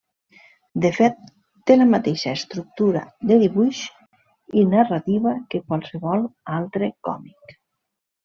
De fet, té la mateixa estructura de dibuix i narrativa que qualsevol altre còmic.